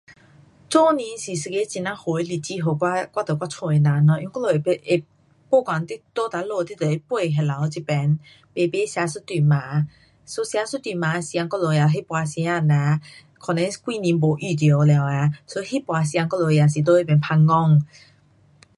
做年是一个很呀好的日子给我跟我家的人。因为我们会，不管你在哪里你都会飞回来这边，排排吃一顿饭，so 吃一顿饭的时间，我们也那次时间啊，可能几年没遇到了，so 那次时间我们也是在那边旁讲。